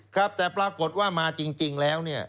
ครับแต่ปรากฏว่ามาจริงแล้วเนี่ย